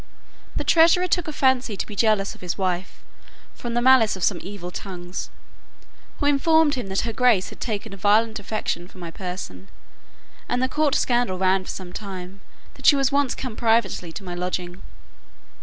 The treasurer took a fancy to be jealous of his wife, from the malice of some evil tongues, who informed him that her grace had taken a violent affection for my person; and the court scandal ran for some time, that she once came privately to my lodging.